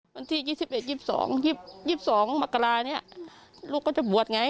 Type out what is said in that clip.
วันที่๒๑๒๒๒มกราเนี่ยลูกก็จะบวชไง